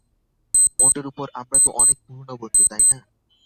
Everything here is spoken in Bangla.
মোটের উপর আমরা তো অনেক পুরনো বন্ধু, তাইনা।